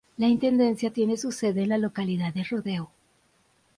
La intendencia tiene su sede en la localidad de Rodeo.